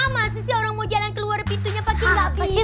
masa sih orang mau jalan keluar pintunya pake gak bisa